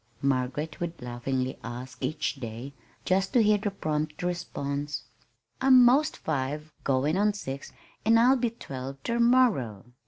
Margaret would laughingly ask each day, just to hear the prompt response: "I'm 'most five goin' on six an' I'll be twelve ter morrow."